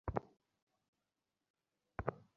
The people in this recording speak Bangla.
তাহলে তাকে হ্যাঁ বললে কেনো?